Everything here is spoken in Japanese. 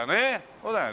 そうだよね。